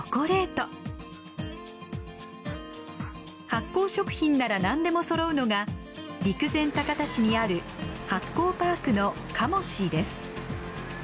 発酵食品ならなんでもそろうのが陸前高田市にある発酵パークのカモシーです。